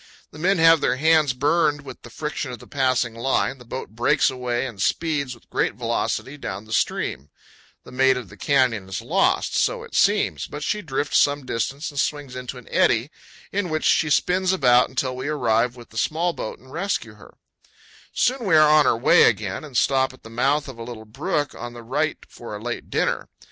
The THE CANYON OF LODORE. 161 men have their hands burned with the friction of the passing line; the boat breaks away and speeds with great velocity down the stream. The "Maid of the Canyon" is lost! So it seems; but she drifts powell canyons 109.jpg ERODED TOWERS CAPPED WITH LARGE BLOCKS OF SANDSTONE. some distance and swings into an eddy, in which she spins about until we arrive with the small boat and rescue her. Soon we are on our way again, and stop at the mouth of a little brook on the right for a late dinner.